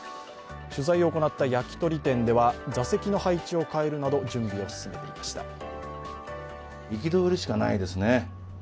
取材を行った焼き鳥店では座席の配置を変えるなど準備を進めていました。